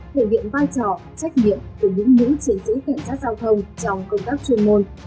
thể hiện vai trò trách nhiệm của những nữ chiến sĩ cảnh sát giao thông trong công tác chuyên môn